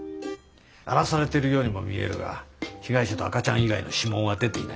荒らされてるようにも見えるが被害者と赤ちゃん以外の指紋は出ていない。